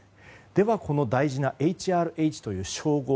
では、この大事なＨＲＨという称号